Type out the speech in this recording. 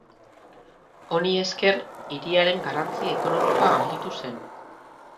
Honi esker, hiriaren garrantzi ekonomikoa handitu zen.